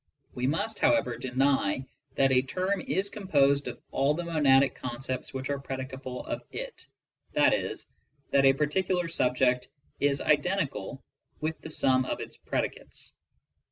We must, however, deny that a term is composed of all the monadic concepts which are predicable of it, ┬½. e., that a particular subject is identical with the sum of its predicates.